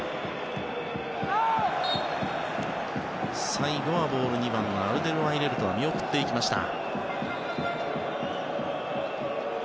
最後はボール、２番のアルデルワイレルトが見送っていきました。